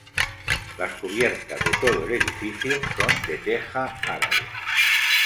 Las cubiertas de todo el edificio son de teja árabe.